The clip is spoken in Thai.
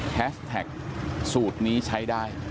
แท็กสูตรนี้ใช้ได้